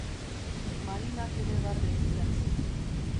Marinak ere barre egiten du.